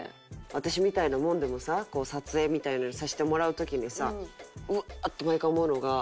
私みたいなもんでもさ撮影みたいなのをさせてもらう時にさうわーって毎回思うのが。